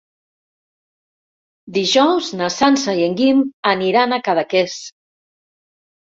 Dijous na Sança i en Guim aniran a Cadaqués.